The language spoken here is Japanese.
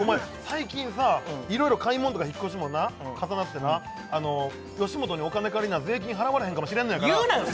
最近さいろいろ買い物とか引っ越しもな重なってな吉本にお金借りな税金払われへんかもしれんのやから言うなよ